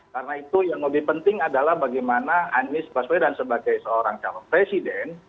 karena itu yang lebih penting adalah bagaimana anies baswedan sebagai seorang calon presiden